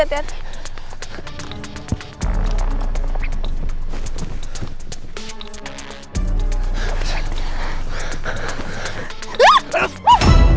itu suara apa